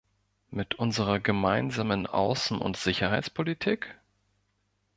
Mit unserer Gemeinsamen Außen- und Sicherheitspolitik?